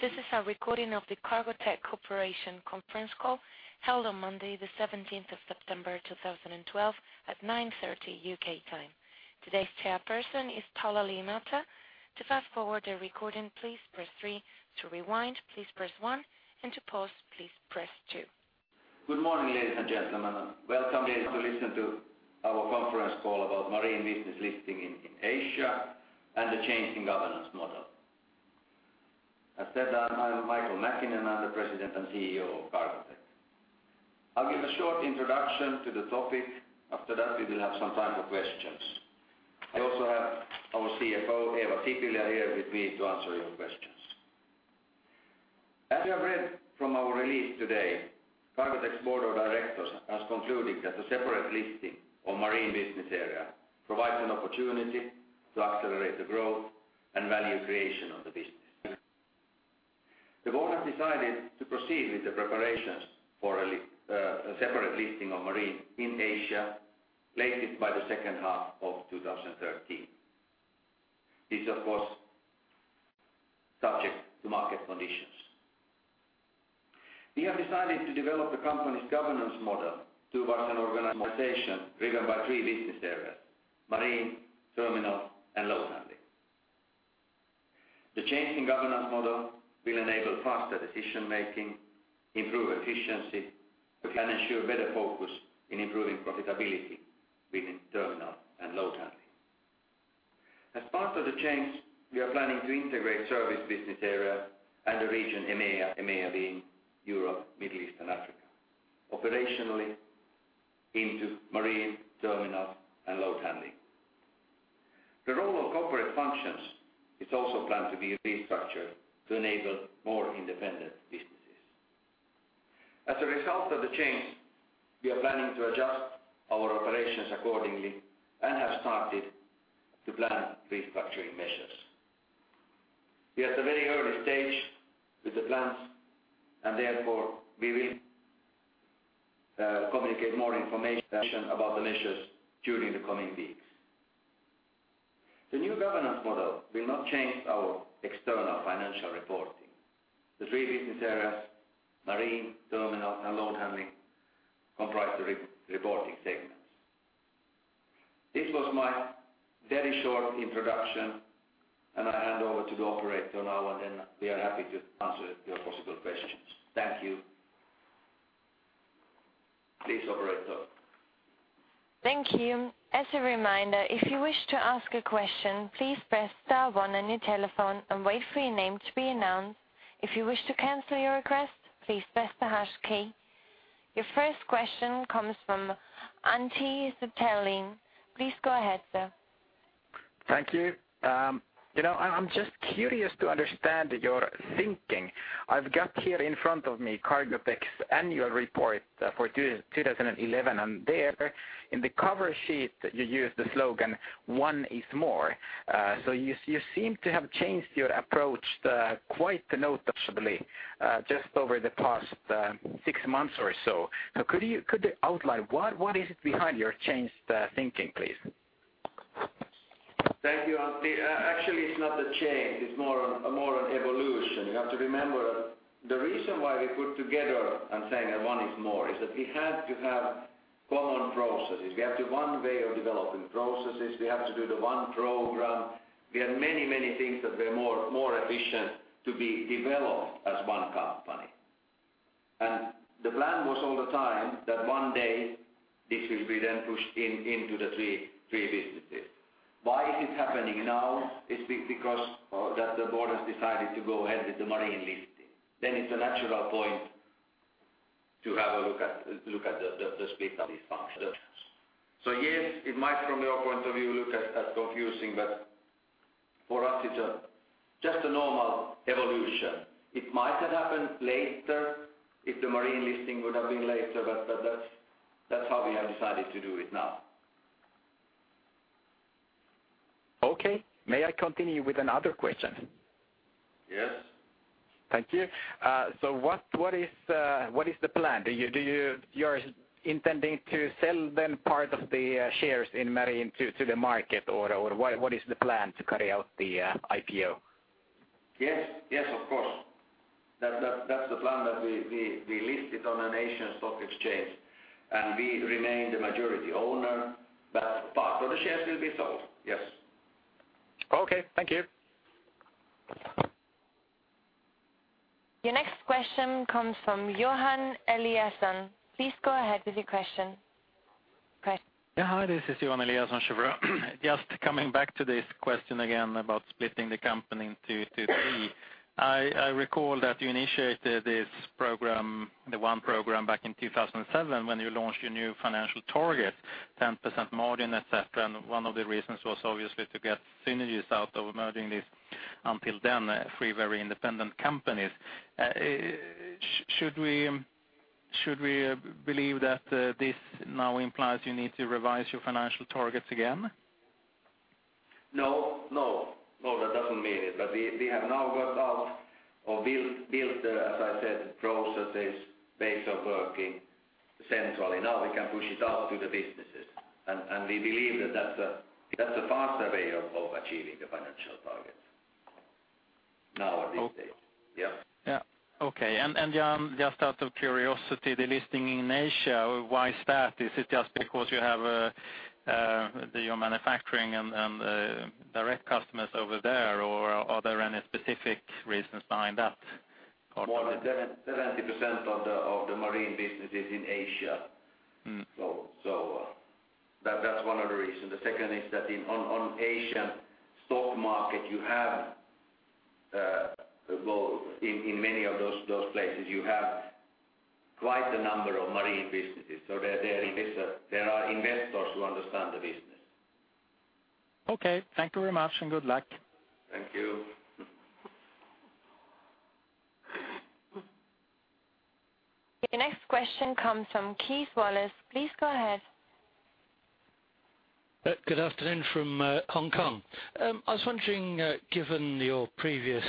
This is a recording of the Cargotec Corporation conference call, held on Monday the 17th of September 2012 at 9:30 A.M. U.K. time. Today's chairperson is Paula Liimatta. To fast-forward the recording, please press 3. To rewind, please press 1. To pause, please press 2. Good morning, ladies and gentlemen. Welcome to listen to our conference call about marine business listing in Asia and the change in governance model. As said, I'm Casimir Lindholm. I'm the President and CEO of Cargotec. I'll give a short introduction to the topic. After that, we will have some time for questions. I also have our CFO, Mikko Puolakka here with me to answer your questions. As you have read from our release today, Cargotec's board of directors has concluded that the separate listing of marine business area provides an opportunity to accelerate the growth and value creation of the business. The board has decided to proceed with the preparations for a separate listing of marine in Asia, latest by the second half of 2013. This, of course, subject to market conditions. We have decided to develop the company's governance model towards an organization driven by three business areas: marine, terminal, and load handling. The change in governance model will enable faster decision-making, improve efficiency that can ensure better focus in improving profitability within terminal and load handling. As part of the change, we are planning to integrate service business area and the region EMEA. EMEA being Europe, Middle East, and Africa. Operationally into marine, terminal, and load handling. The role of corporate functions is also planned to be restructured to enable more independent businesses. As a result of the change, we are planning to adjust our operations accordingly and have started to plan restructuring measures. We are at the very early stage with the plans and therefore we will communicate more information about the measures during the coming weeks. The new governance model will not change our external financial reporting. The three business areas, marine, terminal, and load handling comprise the re-reporting segments. This was my very short introduction, and I hand over to the operator now and then we are happy to answer your possible questions. Thank you. Please, operator. Thank you. As a reminder, if you wish to ask a question, please press star one on your telephone and wait for your name to be announced. If you wish to cancel your request, please press the hash key. Your first question comes from Antti Sutelin. Please go ahead, sir. Thank you. You know, I'm just curious to understand your thinking. I've got here in front of me Cargotec's annual report for 2011. There in the cover sheet you use the slogan "One is more." You seem to have changed your approach quite noticeably just over the past 6 months or so. Could you outline what is it behind your changed thinking, please? Thank you, Antti. Actually it's not a change, it's more an evolution. You have to remember the reason why we put together and saying that One is more, is that we had to have common processes. We have to one way of developing processes. We have to do the one program. We had many things that were more efficient to be developed as one company. The plan was all the time that one day this will be pushed into the three businesses. Why is it happening now? It's because that the board has decided to go ahead with the marine listing. It's a natural point to have a look at the split of these functions. Yes, it might from your point of view look as confusing, but for us it's a just a normal evolution. It might have happened later if the marine listing would have been later, but that's how we have decided to do it now. Okay. May I continue with another question? Yes. Thank you. What is the plan? Do you you're intending to sell then part of the shares in marine to the market? Or what is the plan to carry out the IPO? Yes. Yes, of course. That's the plan that we list it on an Asian stock exchange. We remain the majority owner, but part of the shares will be sold. Yes. Okay. Thank you. Your next question comes from Johan Eliason. Please go ahead with your question. Yeah. Hi, this is Johan Eliason, Kepler Cheuvreux. Just coming back to this question again about splitting the company into 2, 3. I recall that you initiated this program, the one program back in 2007 when you launched your new financial target, 10% margin, et cetera. One of the reasons was obviously to get synergies out of merging these until then 3 very independent companies. Should we believe that this now implies you need to revise your financial targets again? No. No. No, that doesn't mean it. We have now got out or built, as I said, processes, ways of working centrally. Now we can push it out to the businesses. We believe that that's a faster way of achieving the financial targets. Now at this stage. Oh. Yeah. Yeah. Okay and and yeah, just out of curiosity, the listing in Asia, why is that? Is it just because you have your manufacturing and direct customers over there? Are there any specific reasons behind that? More than 70% of the marine business is in Asia. Mm. That's one of the reason. The second is that on Asian stock market, you have, well, in many of those places you have quite a number of marine businesses. There are investors who understand the business. Okay. Thank you very much, and good luck. Thank you. Your next question comes from Keith Wallace. Please go ahead. Good afternoon from Hong Kong. I was wondering, given your previous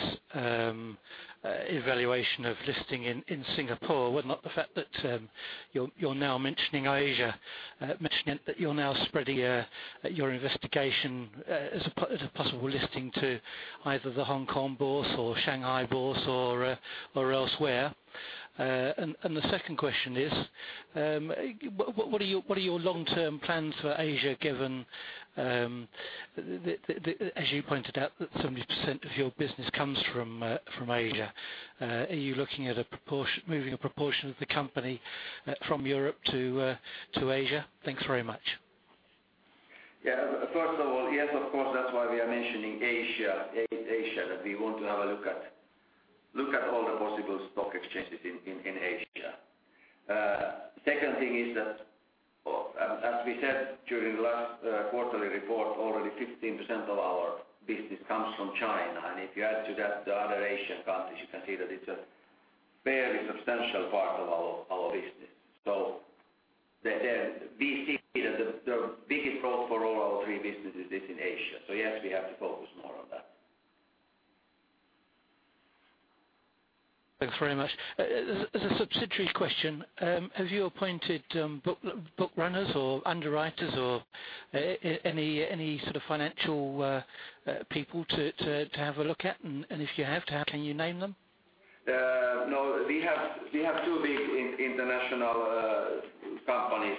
evaluation of listing in Singapore, would not the fact that you're now mentioning Asia, mentioning that you're now spreading your investigation as a possible listing to either the Hong Kong Board or Shanghai Board or elsewhere? The second question is, what are your long-term plans for Asia given As you pointed out that 70% of your business comes from Asia? Are you looking at moving a proportion of the company from Europe to Asia? Thanks very much. Yeah. First of all, yes, of course, that's why we are mentioning Asia, that we want to have a look at all the possible stock exchanges in Asia. Second thing is that, as we said during the last, quarterly report, already 15% of our business comes from China. If you add to that the other Asian countries, you can see that it's a fairly substantial part of our business. The biggest growth for all our three businesses is in Asia. Yes, we have to focus more on that. Thanks very much. As a subsidiary question, have you appointed book runners or underwriters or any sort of financial people to have a look at? If you have, can you name them? No. We have 2 big international companies.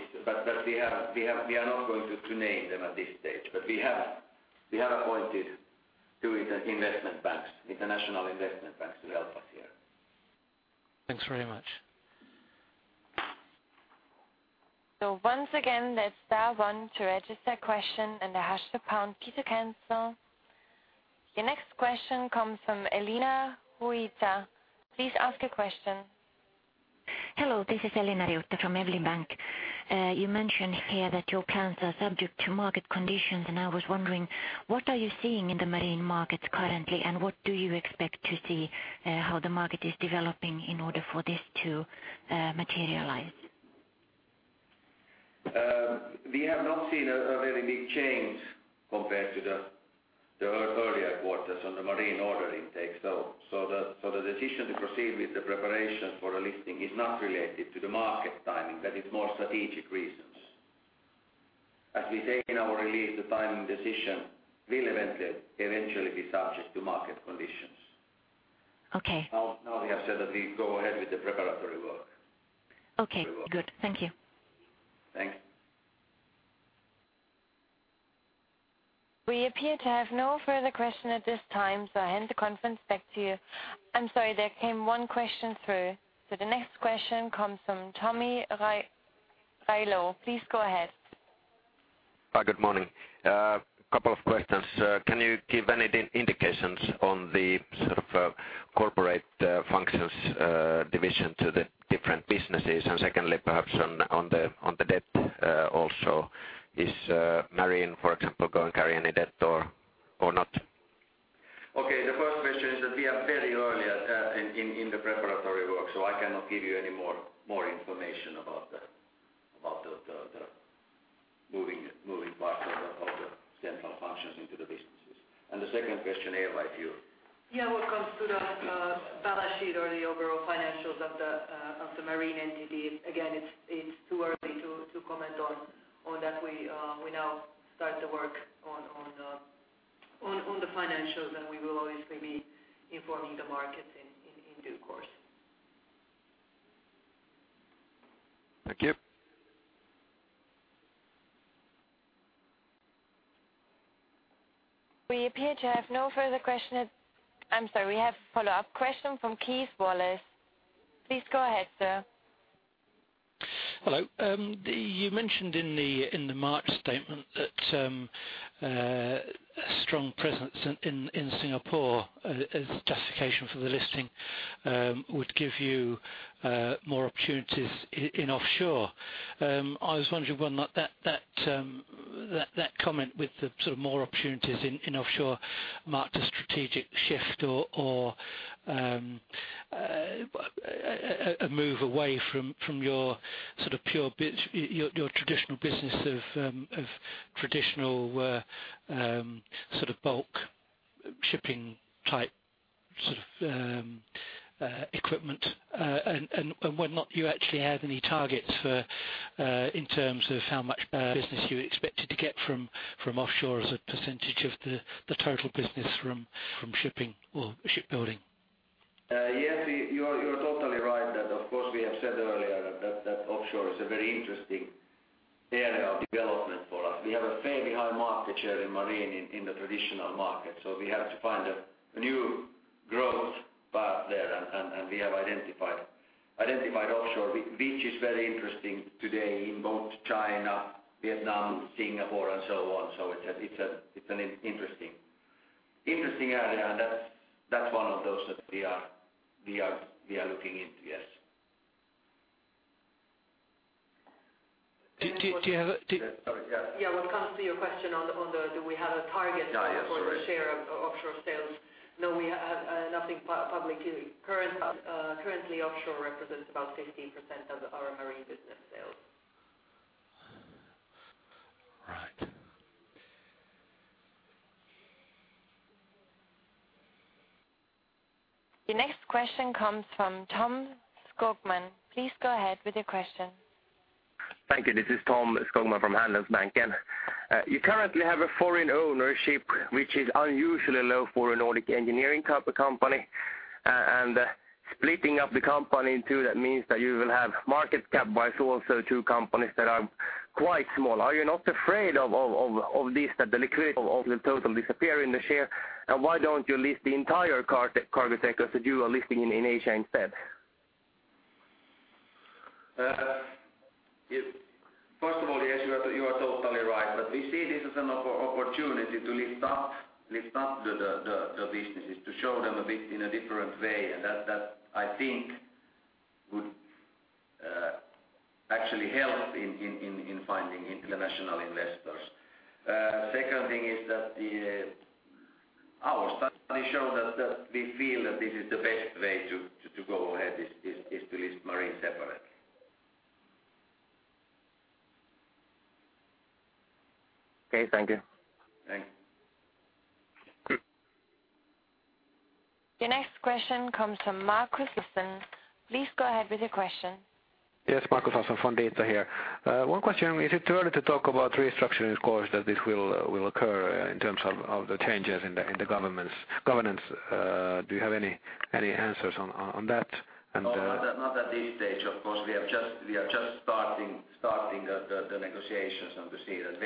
We are not going to name them at this stage. We have appointed 2 investment banks, international investment banks to help us here. Thanks very much. Once again, that's *1 to register a question and the hashtag pound key to cancel. Your next question comes from Elina Riutta. Please ask a question. Hello, this is Elina Riutta from EVLI Bank. You mentioned here that your plans are subject to market conditions, and I was wondering what are you seeing in the marine markets currently, and what do you expect to see, how the market is developing in order for this to materialize? We have not seen a very big change compared to the earlier quarters on the marine order intake. The decision to proceed with the preparation for a listing is not related to the market timing, that is more strategic reasons. As we say in our release, the timing decision will eventually be subject to market conditions. Okay. Now we have said that we go ahead with the preparatory work. Okay. We will. Good. Thank you. Thanks. We appear to have no further question at this time, so I hand the conference back to you. I'm sorry, there came one question through. The next question comes from Tommi Railo. Please go ahead. Hi, good morning. Couple of questions. Can you give any indications on the sort of corporate functions division to the different businesses? Secondly, perhaps on the debt also. Is marine, for example, going to carry any debt or not? Okay, the first question is that we are very early at, in the preparatory work, so I cannot give you any more information about the moving parts of the central functions into the businesses. The second question, invite you. Yeah. When it comes to the balance sheet or the overall financials of the marine entity, again, it's too early to comment on that. We now start the work on the financials, and we will obviously be informing the markets in due course. Thank you. We appear to have no further question at. I'm sorry, we have a follow-up question from Keith Wallace. Please go ahead, sir. Hello. You mentioned in the March statement that strong presence in Singapore as justification for the listing would give you more opportunities in offshore. I was wondering whether or not that comment with the sort of more opportunities in offshore marked a strategic shift or a move away from your sort of pure business, your traditional business of traditional sort of bulk shipping type of equipment. Whether or not you actually have any targets in terms of how much business you expected to get from offshore as a percentage of the total business from shipping or shipbuilding. Yes, you're totally right. Of course we have said earlier that offshore is a very interesting area of development for us. We have a fairly high market share in marine in the traditional market, so we have to find a new growth path there. We have identified offshore which is very interesting today in both China, Vietnam, Singapore, and so on. It's an interesting area. That's one of those that we are looking into, yes. Do you have a. Sorry, yeah. Yeah. When it comes to your question on the do we have a target. Yes, sorry. for the share of offshore sales, no, we have nothing publicly. Currently offshore represents about 15% of our marine business sales. Right. The next question comes from Tom Skogman. Please go ahead with your question. Thank you. This is Tom Skogman from Handelsbanken. You currently have a foreign ownership, which is unusually low for a Nordic engineering type of company. Splitting up the company in two, that means that you will have market cap by also two companies that are quite small. Are you not afraid of this, that the liquidity of the total disappear in the share? Why don't you list the entire Cargotec as you are listing in Asia instead? First of all, yes, you are totally right. But we see this as an opportunity to lift up the businesses, to show them a bit in a different way. That I think would actually help in finding international investors. Second thing is that Our studies show that we feel that this is the best way to go ahead, is to list marine separately. Okay. Thank you. Thanks. The next question comes from Mark Christian Please go ahead with your question. Yes, Mark Christian from Fondita hear. One question, is it too early to talk about restructuring, of course, that this will occur in terms of the changes in the governments governance? Do you have any answers on that? No, not at this stage. Of course, we are just starting the negotiations and to see that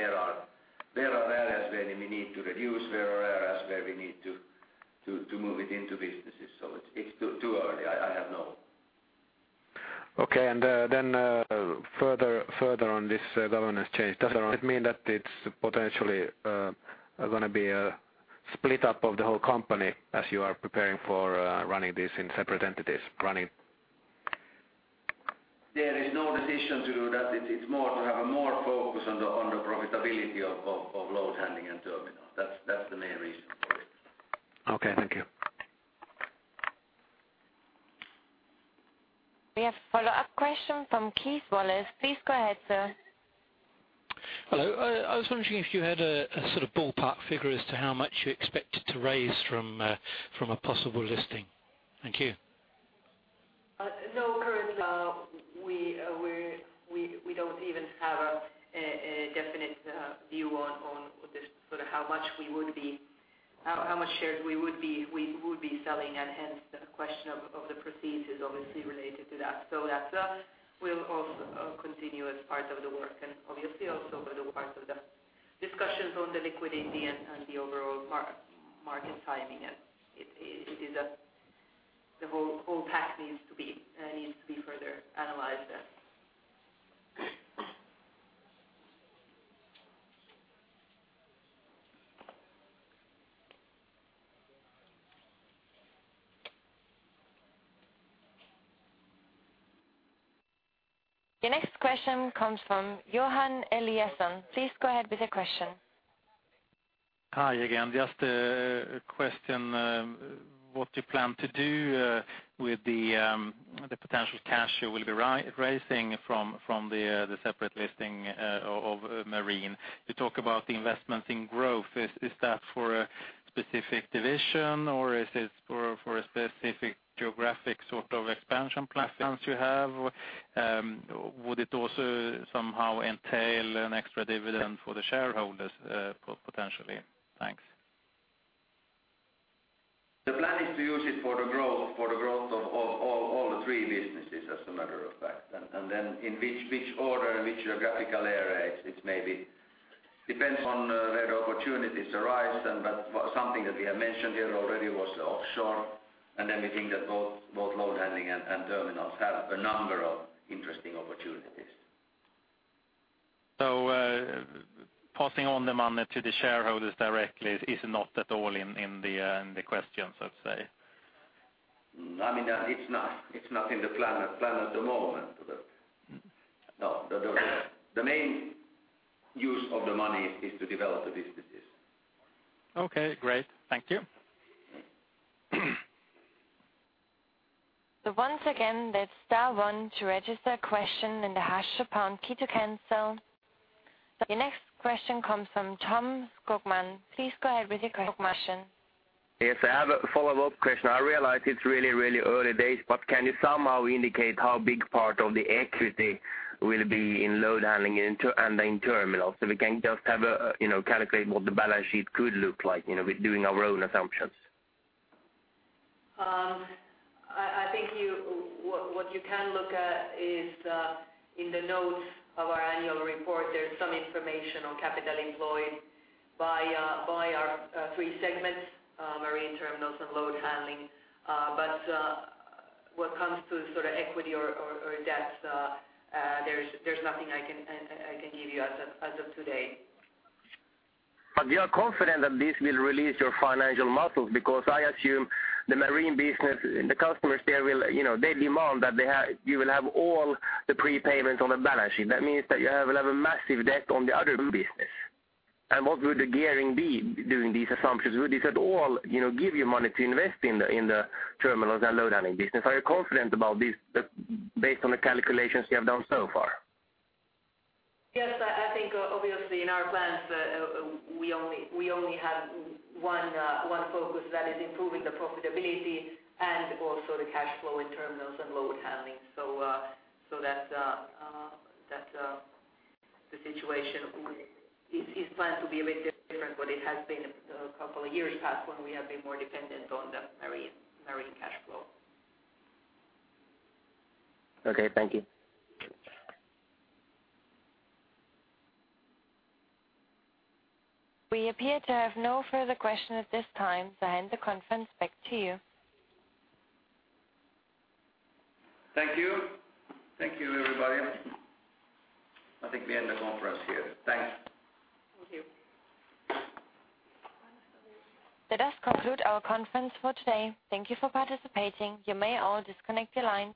where are areas where we need to reduce, where are areas where we need to move it into businesses. It's too early. I have no. Okay. Further on this, governance change. Sure. Does that mean that it's potentially gonna be a split up of the whole company as you are preparing for running this in separate entities? There is no decision to do that. It's more to have a more focus on the profitability of load handling and terminal. That's the main reason for it. Okay, thank you. We have a follow-up question from Keith Wallace. Please go ahead, sir. Hello. I was wondering if you had a sort of ballpark figure as to how much you expected to raise from a possible listing? Thank you. No. Currently, we don't even have a definite view on this, sort of how much shares we would be selling. Hence the question of the proceeds is obviously related to that. That will also continue as part of the work and obviously also be the part of the discussions on the liquidity and the overall market timing. The whole pack needs to be further analyzed, yes. The next question comes from Johan Eliason. Please go ahead with your question. Hi again. Just a question. What you plan to do with the potential cash you will be raising from the separate listing of marine? You talk about the investment in growth. Is that for a specific division or is it for a specific geographic sort of expansion plans you have? Would it also somehow entail an extra dividend for the shareholders potentially? Thanks. The plan is to use it for the growth, for the growth of all the three businesses, as a matter of fact. Then in which order, in which geographical area, it maybe depends on where the opportunities arise and but something that we have mentioned here already was offshore. We think that both load handling and terminals have a number of interesting opportunities. Passing on the money to the shareholders directly is not at all in the questions, I'd say. I mean, it's not in the plan at the moment. No, the main use of the money is to develop the businesses. Okay, great. Thank you. Once again, that's *one to register a question and the hash pound key to cancel. Your next question comes from Tom Skogman. Please go ahead with your question. Yes, I have a follow-up question. I realize it's really, really early days, but can you somehow indicate how big part of the equity will be in load handling and in terminals? We can just have a, you know, calculate what the balance sheet could look like, you know, with doing our own assumptions. I think what you can look at is, in the notes of our annual report, there's some information on capital employed by our three segments, marine terminals and load handling. What comes to sort of equity or debt, there's nothing I can give you as of today. You are confident that this will release your financial muscles because I assume the marine business, the customers there will, you know, they demand that you will have all the prepayments on the balance sheet. That means that you will have a massive debt on the other two business. What would the gearing be during these assumptions? Would this at all, you know, give you money to invest in the terminals and load handling business? Are you confident about this based on the calculations you have done so far? I think obviously in our plans, we only have one focus that is improving the profitability and also the cash flow in terminals and load handling. That's the situation. It's planned to be a bit different, but it has been a couple of years passed when we have been more dependent on the marine cash flow. Okay, thank you. We appear to have no further questions at this time. I hand the conference back to you. Thank you. Thank you, everybody. I think we end the conference here. Thanks. Thank you. That does conclude our conference for today. Thank Thank you for participating. You may all disconnect your lines.